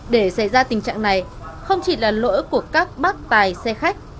để xảy ra tình trạng này không chỉ là lỗi của các bác tài xe khách